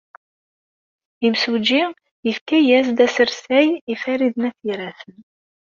Imsujji yefka-as-d asersay i Farid n At Yiraten.